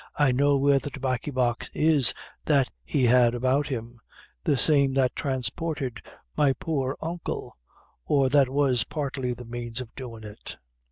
"I know where the tobaccy box is that he had about him; the same that transported my poor uncle, or that was partly the means of doin' it."